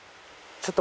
ちょっと。